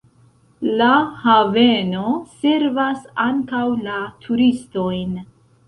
La haveno servas ankaŭ la turistojn.